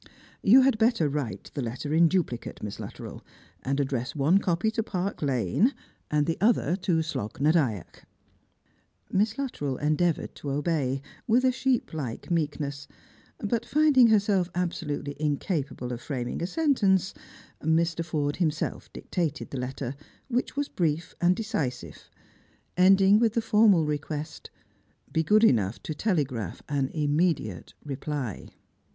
You had better write the letter in duplicate. Mis 3 Luttrell, and address one copy to Park lane, and the other to Slogh na Dyack." Miss Luttrell endeavoured to obey, with a sheep like meek ness, but finding her absolutely incapable of framing a sentence, Mr. Forde himself dictated the letter, which was brief and decisive, ending with the formal request, " Be good enough to telegraph an immediate reply."